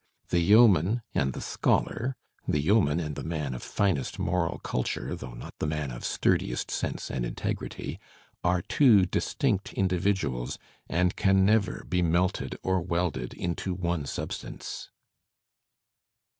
The yeoman and the scholar — the yeoman and the man of iSnest moral culture, though not the man of sturdiest sense and integrity — are two distinct individuab, and can never be melted or welded into one substance.''